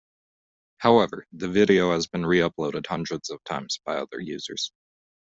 However, the video has been re-uploaded hundreds of times by other users.